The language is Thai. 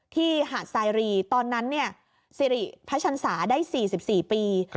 หาดไซรีตอนนั้นสิริพระชันศาได้๔๔ปี